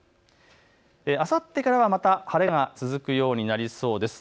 あさってからは晴れが続くようになりそうです。